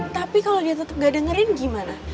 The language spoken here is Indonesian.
tapi kalau dia tetap gak dengerin gimana